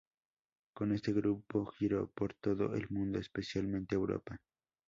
Con este grupo giró por todo el mundo, especialmente Europa.